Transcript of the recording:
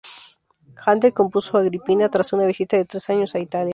Händel compuso "Agripina" tras una visita de tres años a Italia.